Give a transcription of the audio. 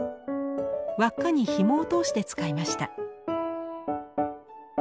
輪っかにひもを通して使いました。